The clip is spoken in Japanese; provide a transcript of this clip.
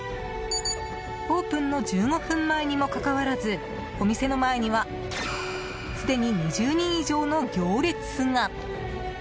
オープンの１５分前にもかかわらずお店の前にはすでに２０人以上の行列が！